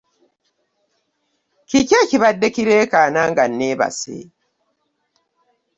Kiki ekibadekireekaana nga nebase?